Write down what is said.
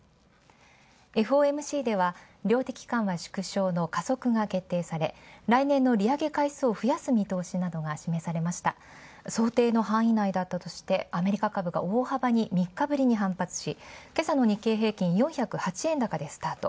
ＦＯＭＣでは量的緩和縮小の加速が決定され来年の利上げ回数を増やす見通しなどが示されました想定の範囲内だったとしてアメリカ株が大幅に３日ぶりに反発し、今朝の日経平均４０８スタート。